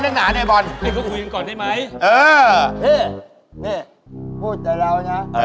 พี่นี่พูดแต่เล่าน่ะ